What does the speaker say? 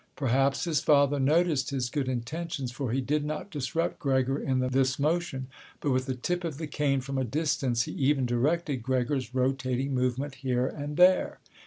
Perhaps his father noticed his good intentions, for he did not disrupt Gregor in this motion, but with the tip of the cane from a distance he even directed Gregor's rotating movement here and there.